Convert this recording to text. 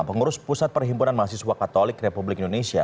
pengurus pusat perhimpunan mahasiswa katolik republik indonesia